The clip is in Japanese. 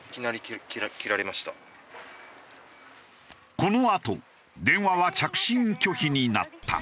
このあと電話は着信拒否になった。